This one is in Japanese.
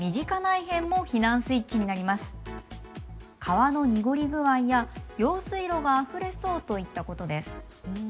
川のにごり具合や用水路があふれそうといったことです。